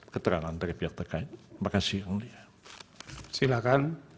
keterangan dari pihak terkait terima kasih yang mulia